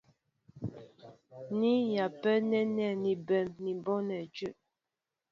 Ni yampɛ nɛ́nɛ́ ní bɛ̌n ní bonɛ jə̄ə̄.